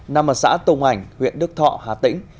năm ở xã tùng hành huyện đức thọ hà tĩnh